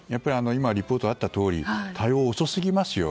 リポートにもあったとおり対応が遅すぎますよ。